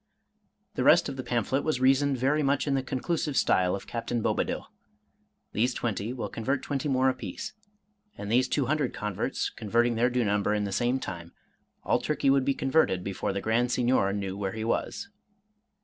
The rest of the pamphlet was reasoned very much in the conclusive style of Captain Bobadil, — these twenty will convert twenty more apiece, and these two hundred converts, converting their due number in the same time, all Turkey would be converted before the Grand Signior knew where 187 Irish Mystery Stories he was.